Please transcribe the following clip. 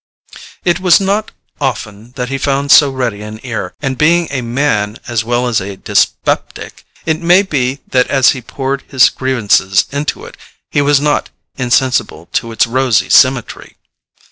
It was not often that he found so ready an ear; and, being a man as well as a dyspeptic, it may be that as he poured his grievances into it he was not insensible to its rosy symmetry.